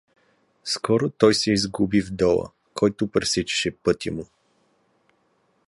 Скоро той се изгуби в дола, който пресичаше пътя му.